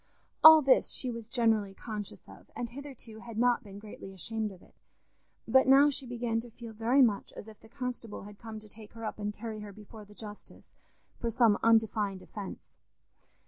All this she was generally conscious of, and hitherto had not been greatly ashamed of it. But now she began to feel very much as if the constable had come to take her up and carry her before the justice for some undefined offence.